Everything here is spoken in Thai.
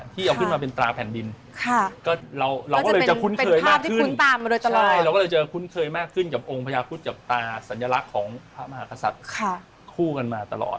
ที่เอาขึ้นมาเป็นตราแผ่นดินก็เราก็เลยจะคุ้นเคยมากขึ้นเป็นภาพที่คลุ้นตามมาตลอด